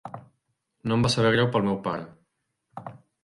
No em va saber greu pel meu pare.